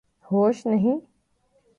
ہوش نہیں